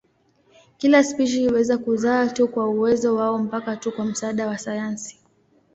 Kila spishi huweza kuzaa tu kwa uwezo wao mpaka tu kwa msaada wa sayansi.